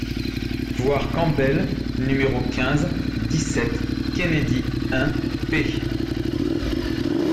(Voir Campbell, nºˢ quinze, dix-sept ; Kennedy, un, p.